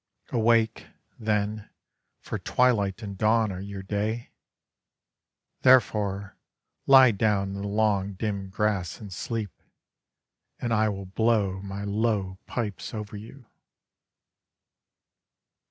Awake, then, for twilight and dawn are your day: Therefore lie down in the long dim grass and sleep, And I will blow my low pipes over you.